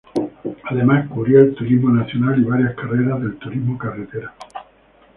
Además cubría el Turismo Nacional y varias carreras del Turismo Carretera.